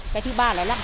cái thứ ba là nó lặng